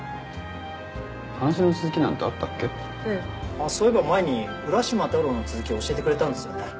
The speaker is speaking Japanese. あっそういえば前に『浦島太郎』の続き教えてくれたんですよね。